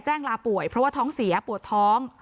ลาป่วยเพราะว่าท้องเสียปวดท้อง